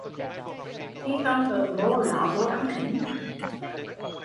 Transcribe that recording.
Khi không ở mô ló vô ăn khính